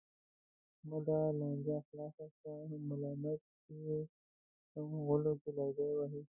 احمده! لانجه خلاصه شوه، هم ملامت یې هم غولو کې لرګی وهې.